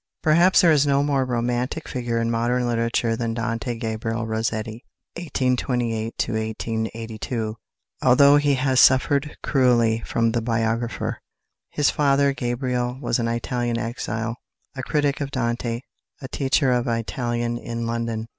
Perhaps there is no more romantic figure in modern literature than =Dante Gabriel Rossetti (1828 1882)=, although he has suffered cruelly from the biographer. His father, Gabriele, was an Italian exile, a critic of Dante, a teacher of Italian in London.